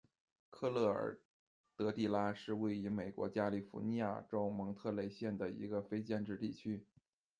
科勒尔德蒂拉是位于美国加利福尼亚州蒙特雷县的一个非建制地区。